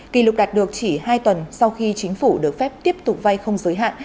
kỷ lục đạt được chỉ hai tuần sau khi chính phủ được phép tiếp tục vay không giới hạn